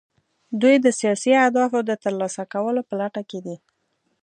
دوی د سیاسي اهدافو د ترلاسه کولو په لټه کې دي